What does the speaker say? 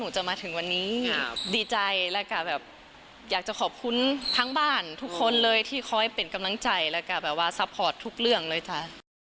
เข้าท่อนฮุกจังเลยอะ